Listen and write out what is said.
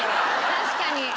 確かに。